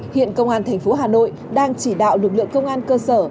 hiện công an thành phố hà nội đang chỉ đạo lực lượng công an cơ sở